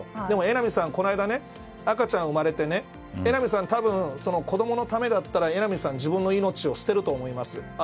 でも榎並さん、この間赤ちゃん生まれて榎並さんは多分子供のためだったら榎並さんは自分の命を捨てると思いますよ。